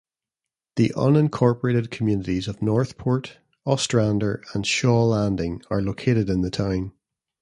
The unincorporated communities of Northport, Ostrander, and Shaw Landing are located in the town.